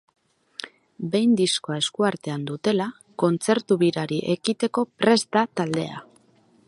Behin diskoa esku artean dutela, kontzertu-birari ekiteko prest da taldea.